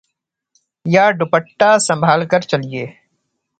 یا دوپٹہ سنبھال کر چلئے